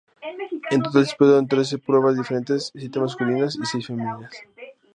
En total se disputaron trece pruebas diferentes, siete masculinas y seis femeninas.